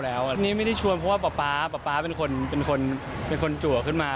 อันนี้ไม่ได้ชวนเพราะว่าป๊าเป็นคนจั่วขึ้นมา